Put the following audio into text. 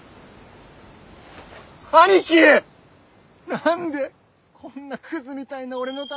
何でこんなクズみたいな俺のために。